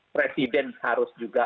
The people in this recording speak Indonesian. presiden harus juga